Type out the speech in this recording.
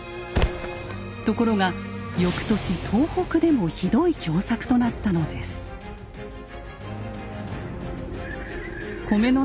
ところが翌年東北でもひどい凶作となったのです。